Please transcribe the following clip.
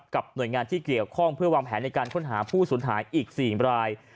หน่วยงานที่เกี่ยวข้องเพื่อวางแผนในการค้นหาผู้สูญหายอีก๔ราย